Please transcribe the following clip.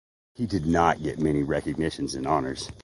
He did not get many recognitions and honors.